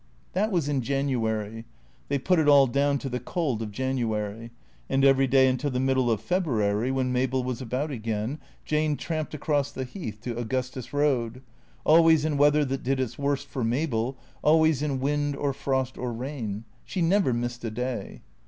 That was in January (they put it all down to the cold of January) ; and every day until the middle of February when Mabel was about again, Jane tramped across the Heath to Au gustus Eoad, always in weather that did its worst for Mabel, always in wind or frost or rain. She never missed a day.